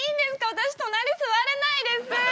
私隣座れないです。